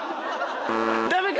ダメか？